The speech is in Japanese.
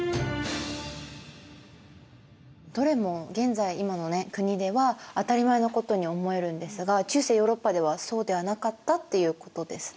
どれも現在今の国では当たり前のことに思えるんですが中世ヨーロッパではそうではなかったっていうことですね。